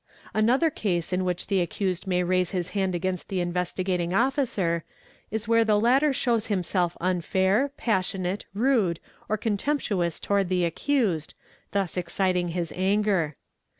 | Another case in which the accused may raise his hand against t Investigating Officer is where the latter shows himself unfair, passionat rude, or contemptuous towards the accused, thus exciting his anger.